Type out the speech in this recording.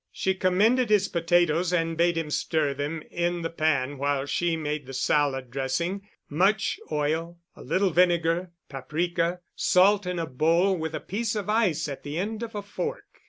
She commended his potatoes and bade him stir them in the pan while she made the salad dressing—much oil, a little vinegar, paprika, salt in a bowl with a piece of ice at the end of a fork.